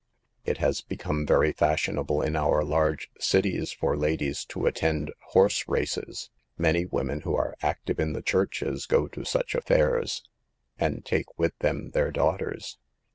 It has become very fashionable in our large cities for ladies to attend horse races. Many women who are active in the churches go to such affairs, and take with them their daugh ters.